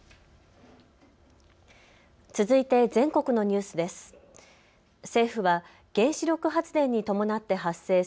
続いて全国のニュースです。